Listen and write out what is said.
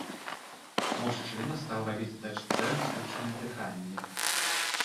Мужчына стаў рабіць дачцэ штучнае дыханне.